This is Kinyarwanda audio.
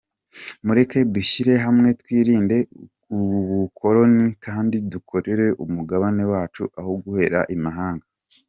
Mureke dushyire hamwe twirinde ubukoloni kandi dukorere umugabane wacu aho guhera imahanga”.